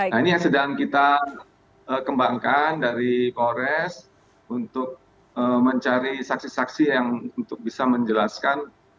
nah ini yang sedang kita kembangkan dari polres untuk mencari saksi saksi yang untuk bisa menjelaskan